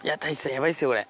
ヤバいですよこれ。